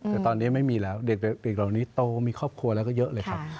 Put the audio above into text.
แต่ตอนนี้ไม่มีแล้วเด็กเหล่านี้โตมีครอบครัวแล้วก็เยอะเลยครับ